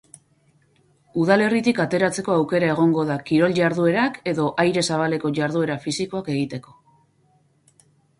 Udalerritik ateratzeko aukera egongo da kirol-jarduerak edo aire zabaleko jarduera fisikoak egiteko.